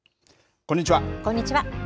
こんにちは。